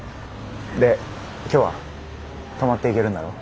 で今日は泊まっていけるんだろ。